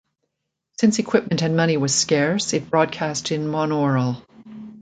Since equipment and money was scarce, it broadcast in monaural.